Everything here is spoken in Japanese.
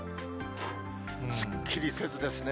すっきりせずですね。